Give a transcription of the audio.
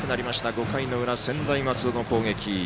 ５回の裏、専大松戸の攻撃。